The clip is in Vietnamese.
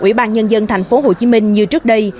ủy ban nhân dân tp hcm như trước đây